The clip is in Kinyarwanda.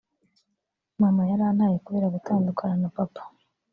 “Mama yarantaye kubera gutandukana na papa